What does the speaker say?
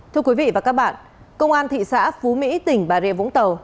thưa quý vị và các bạn công an thị xã phú mỹ tỉnh bà rịa vũng tàu